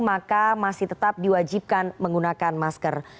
maka masih tetap diwajibkan menggunakan masker